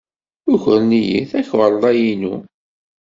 Ukren-iyi takarḍa-inu.